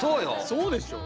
そうでしょう。